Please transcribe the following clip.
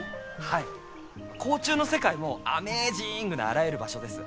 はい甲虫の世界もアメージングなあらゆる場所です。